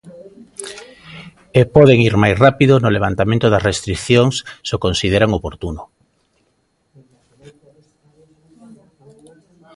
E poden ir máis rápido no levantamento das restricións se o consideran oportuno.